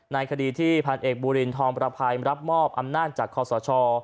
ในคดีที่พันเอกบูรินทองประภัยรับมอบอำนาจจากคอสช